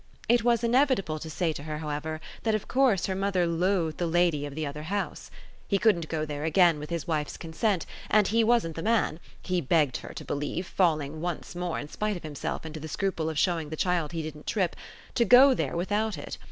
It was inevitable to say to her, however, that of course her mother loathed the lady of the other house. He couldn't go there again with his wife's consent, and he wasn't the man he begged her to believe, falling once more, in spite of himself, into the scruple of showing the child he didn't trip to go there without it.